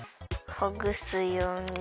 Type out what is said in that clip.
ほぐすように。